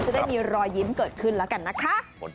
จะได้มีรอยยิ้มเกิดขึ้นแล้วกันนะคะ